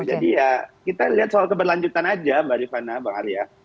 jadi ya kita lihat soal keberlanjutan aja mbak ripana bang arya